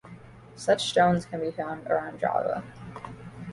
Such stones can be found around Java.